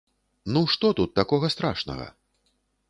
Ну што тут такога страшнага?